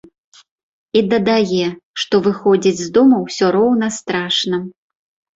І дадае, што выходзіць з дому ўсё роўна страшна.